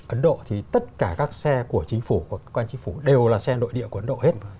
ấn độ thì tất cả các xe của chính phủ của cơ quan chính phủ đều là xe nội địa của ấn độ hết